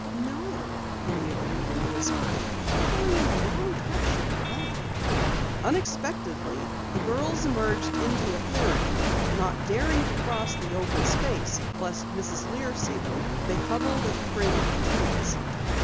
"No," Penny agreed in a whisper, "we're going in the wrong direction for that." Unexpectedly, the girls emerged into a clearing, Not daring to cross the open space lest Mrs. Lear see them, they huddled at the fringe of trees.